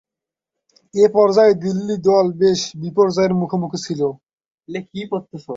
এ পর্যায়ে দিল্লি দল বেশ বিপর্যয়ের মুখোমুখি ছিল।